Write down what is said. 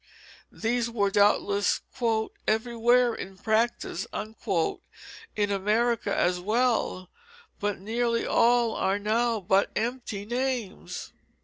They were doubtless "everywhere in practice," in America as well, but nearly all are now but empty names.